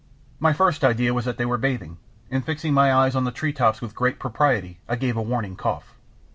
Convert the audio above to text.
My first idea was that they were bathing, and fixing my eyes on the tree tops with great propriety, I gave a warning cough.